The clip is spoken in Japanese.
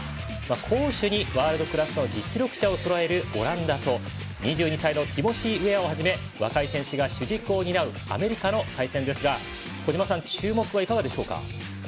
攻守にワールドクラスの実力者をそろえるオランダと２２歳のティモシー・ウェアをはじめ若い選手が主軸を担うアメリカですが小島さん、注目はいかがでしょうか。